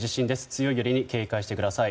強い揺れに警戒してください。